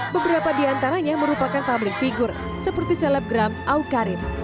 beberapa di antaranya merupakan pabrik figur seperti selebgram awkarin